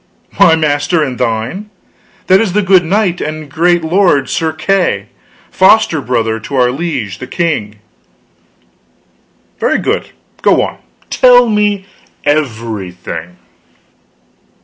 "My master and thine? That is the good knight and great lord Sir Kay the Seneschal, foster brother to our liege the king." "Very good; go on, tell me everything."